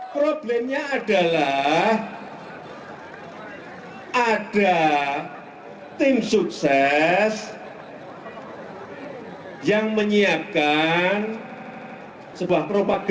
problemnya adalah ada tim sukses yang menyiapkan sebuah propaganda